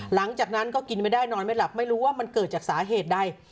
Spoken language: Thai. หลังจากนั้นก็กินไม่ได้นอนไม่หลับไม่รู้ว่ามันเกิดจากสาเหตุใด